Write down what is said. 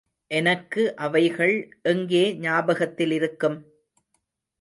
எனக்கு அவைகள் எங்கே ஞாபகத்திலிருக்கும்?